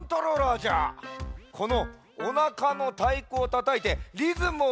このおなかのたいこをたたいてリズムをにゅうりょくすると。